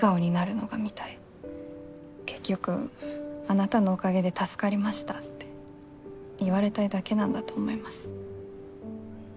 結局あなたのおかげで助かりましたって言われたいだけなんだと思います。